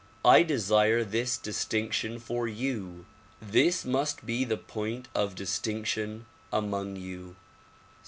I desire this distinction for you. This must be the point of distinction among you.